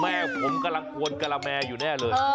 แม่ผมกำลังกวนกะละแมอยู่แน่เลย